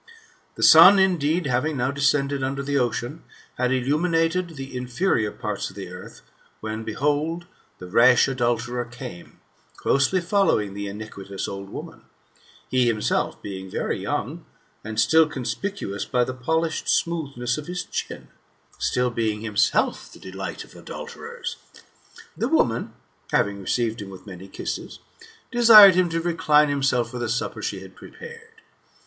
The sun, indeed, having now descended under the ocean, had illuminated the inferior parts of the earth, when behold, the rash adulterer came, closely following the iniquitous old woman; he himself being very young, and still conspicuous by the polished smoothness of his chin, still being himself the delight of adulterers. The woman having received him with many kisses, desired him to recline himself for the supper she had prepared.